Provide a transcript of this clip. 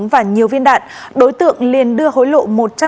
và sẵn sàng đón khách